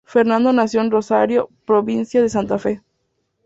Fernando nació en Rosario, provincia de Santa Fe.